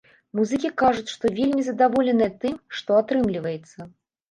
Музыкі кажуць, што вельмі задаволеныя тым, што атрымліваецца.